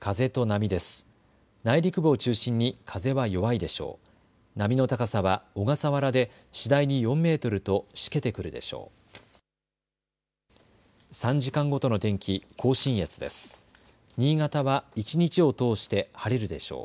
波の高さは小笠原で次第に４メートルとしけてくるでしょう。